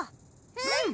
うん！